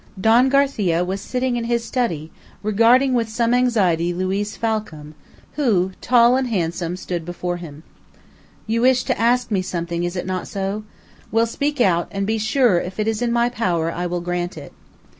Don Garcia was sitting in his study, regarding with some anxiety Luiz Falcam, who, tall and handsome, stood before him. "You wish to ask me something, is it not so? Well, speak out, and be sure if it is in my power I will grant it."